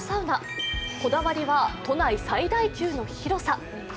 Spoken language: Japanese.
こだわりは都内最大級の広さ。